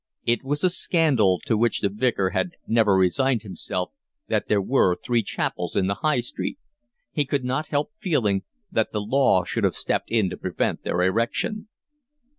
It was a scandal to which the Vicar had never resigned himself that there were three chapels in the High Street: he could not help feeling that the law should have stepped in to prevent their erection.